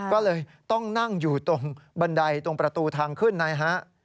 ก็เลยต้องนั่งอยู่ตรงบันไดตรงประตูทางขึ้นนะฮะ